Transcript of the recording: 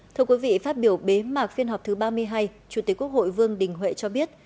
thưa quý vị phát biểu bế mạc phiên họp thứ ba mươi hai chủ tịch quốc hội vương đình huệ cho biết